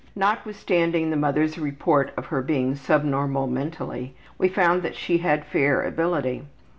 Notwithstanding the mother's report of her being subnormal mentally, we found that she had fair ability.